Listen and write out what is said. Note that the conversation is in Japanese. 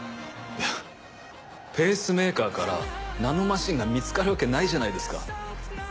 いやペースメーカーからナノマシンが見つかるわけないじゃないですか。